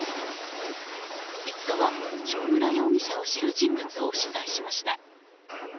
「イット！」は正村容疑者を知る人物を取材しました。